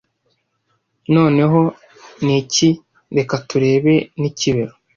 noneho ni iki reka turebe n'ikibero